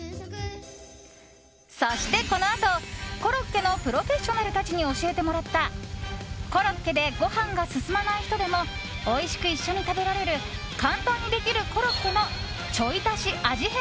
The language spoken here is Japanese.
そしてこのあと、コロッケのプロフェッショナルたちに教えてもらったコロッケでご飯が進まない人でもおいしく一緒に食べられる簡単にできるコロッケのちょい足し味